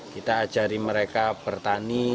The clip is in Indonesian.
kita ajari mereka bertani